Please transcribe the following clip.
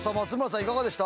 いかがでした？